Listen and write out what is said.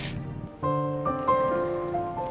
ya itu bagus